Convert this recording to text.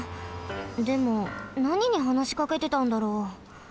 でもなににはなしかけてたんだろう？